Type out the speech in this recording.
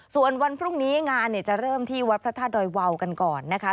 ส่วนวันพรุ่งนี้งานจะเริ่มที่วัดพระธาตุดอยวาวกันก่อนนะคะ